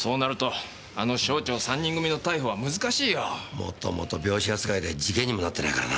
もともと病死扱いで事件にもなってないからな。